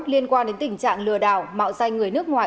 liên quan đến tình trạng lừa đảo mạo danh người nước ngoài